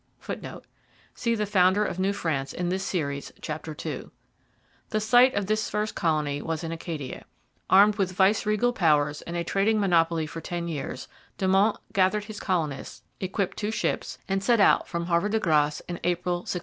[Footnote: See The founder of New France in this Series, chap. ii.] The site of this first colony was in Acadia. Armed with viceregal powers and a trading monopoly for ten years, De Monts gathered his colonists, equipped two ships, and set out from Havre de Grace in April 1604.